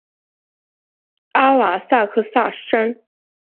阿瓦萨克萨山。